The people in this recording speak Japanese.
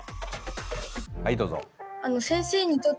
はいどうぞ。